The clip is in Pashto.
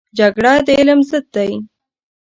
جګړه د علم ضد دی